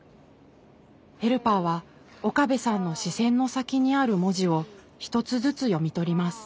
ヘルパーは岡部さんの視線の先にある文字を一つずつ読み取ります。